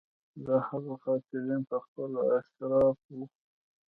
د هغه قاتلین په خپله اشراف وو.